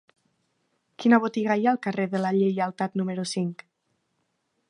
Quina botiga hi ha al carrer de la Lleialtat número cinc?